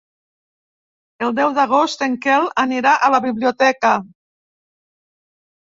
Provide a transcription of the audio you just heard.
El deu d'agost en Quel anirà a la biblioteca.